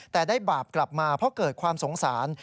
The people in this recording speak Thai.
แต่ได้บาปกลับมาเพราะเกิดความสงสาร